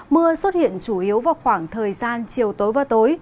mưa xuất hiện chủ yếu vào khoảng thời gian chiều tối và tối